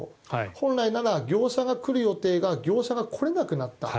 本来なら業者が来る予定が業者が来れなくなった。